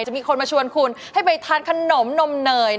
จะมีคนมาชวนคุณให้ไปทานขนมนมเนย